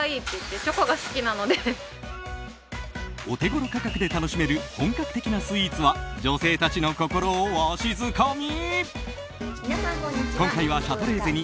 お手頃価格で楽しめる本格的なスイーツは女性たちの心をわしづかみ。